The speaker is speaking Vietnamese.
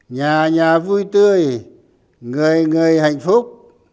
nhà nhà vui tươi người người hạnh phúc